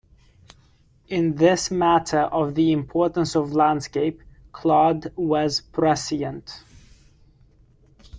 In this matter of the importance of landscape, Claude was prescient.